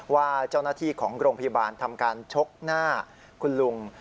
ว่าเจ้าหน้าที่ของโรงพยาบาลทำการชกหน้าคุณลุง